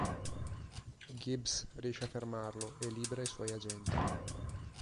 Gibbs riesce a fermarlo e libera i suoi agenti.